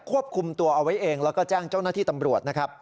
ควบคุมตัวเอาไว้เองแล้วก็แจ้งเจ้าหน้าที่ตำรวจนะครับ